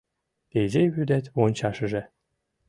Изи вӱдет вончашыже